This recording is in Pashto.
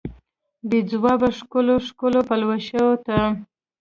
بې ځوابه ښکلو، ښکلو پلوشو ته